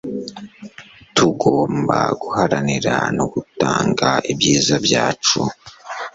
tugomba guharanira no gutanga ibyiza byacu